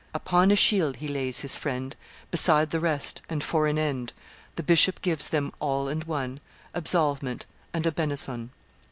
Upon a shield he lays his friend Beside the rest, and, for an end, The bishop gives them, all and one, Absolvement and a benison.